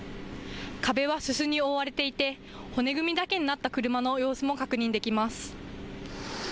壁はすすに覆われていて骨組みだけになった車の様子も確認できます。